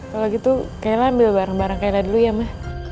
kalau gitu kaila ambil barang barang kaila dulu ya ma